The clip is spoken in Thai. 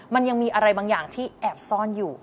มันยังมีอะไรบางอย่างที่แอบซ่อนอยู่